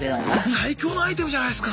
最強のアイテムじゃないすか。